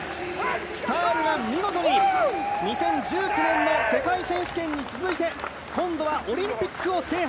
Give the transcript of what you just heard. スタールが見事に２０１９年の世界選手権に続いて今度はオリンピックを制覇。